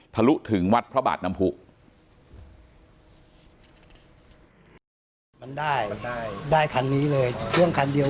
ลุถึงวัดพระบาทน้ำผู้